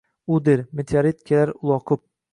U der: “Meteorit kelar uloqib…